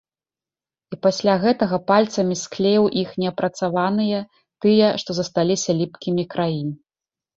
І пасля гэтага пальцамі склеіў іх неапрацаваныя, тыя, што засталіся ліпкімі краі.